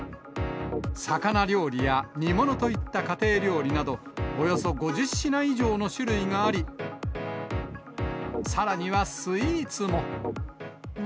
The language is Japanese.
魚料理や煮物といった家庭料理など、およそ５０品以上の種類があり、さらにはスイーツも。